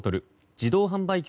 自動販売機